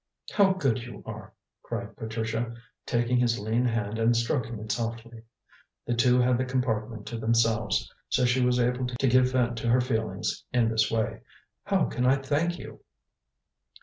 "How good you are!" cried Patricia, taking his lean hand and stroking it softly. The two had the compartment to themselves, so she was able to give vent to her feelings in this way. "How can I thank you?"